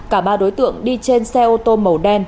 cả ba đối tượng đi trên xe ô tô màu đen